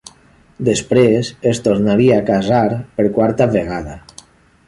Després es tornaria a casar per quarta vegada.